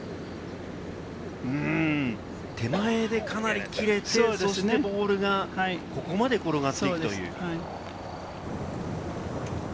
手前でかなり切れて、ボールがここまで転がっていくという。